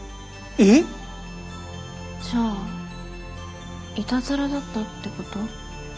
ええっ？じゃあイタズラだったってこと？